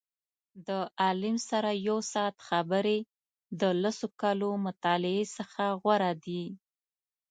د عالم سره یو ساعت خبرې د لسو کالو مطالعې څخه غوره دي.